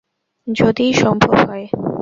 যদিই সম্ভব হয়?